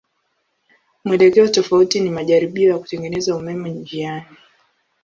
Mwelekeo tofauti ni majaribio ya kutengeneza umeme njiani.